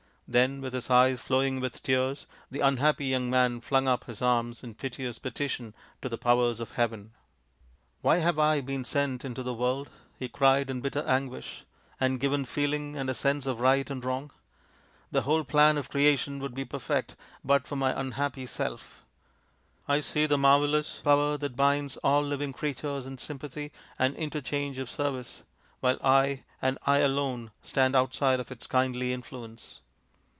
Then with his eyes flowing with tears the unhappy young man flung up his arms in piteous petition to the powers of heaven. " Why have I been sent into the world," he cried in bitter anguish, " and given feeling and a sense of right and wrong ? The whole plan of Creation would be perfect but for my unhappy self. I see the marvellous power that binds all living creatures in sympathy and interchange of service, while I, and I alone, stand outside of its kindly influence.